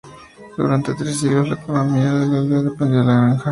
Durante tres siglos, la economía de la aldea dependió de la granja.